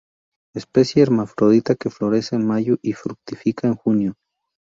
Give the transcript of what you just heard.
Especie hermafrodita que florece en mayo y fructifica en junio.